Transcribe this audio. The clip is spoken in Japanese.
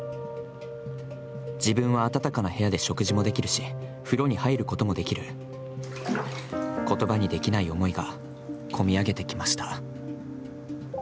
自分は温かな部屋で食事もできるし、風呂に入ることもできる言葉にできない思いがこみ上げてきました。